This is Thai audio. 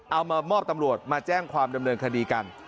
เอามามอบตำรวจมาแจ้งความดำเนินคดีกัน